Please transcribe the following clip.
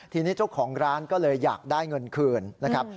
ทีนี้เจ้าของร้านก็เลยอยากได้เงินคืนนะครับ